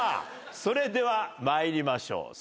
それでは参りましょう。